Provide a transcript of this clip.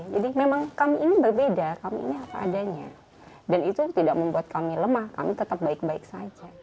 jadi memang kami ini berbeda kami ini apa adanya dan itu tidak membuat kami lemah kami tetap baik baik saja